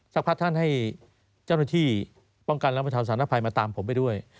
สักพักท่านให้เจ้าหน้าที่ป้องกันและบรรเทาสารภัยมาตามผมไปด้วย